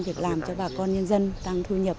việc làm cho bà con nhân dân tăng thu nhập